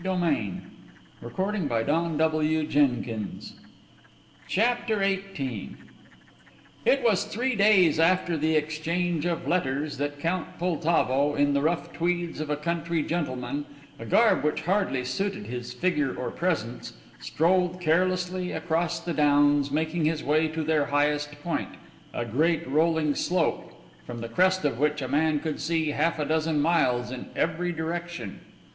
He made his arrangements accordingly. CHAPTER XVIII It was three days after the exchange of letters that Count Poltavo, in the rough tweeds of a country gentleman a garb which hardly suited his figure or presence strolled carelessly across the downs, making his way to their highest point, a great rolling slope, from the crest of which a man could see half a dozen miles in every direction.